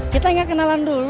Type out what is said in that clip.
kita ingat kenalan dulu